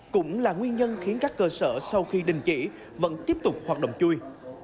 cũng là nguyên nhân khiến các cơ sở sau khi đình chỉ vẫn tiếp tục hoạt động chui